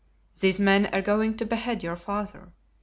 These men are going to behead your father.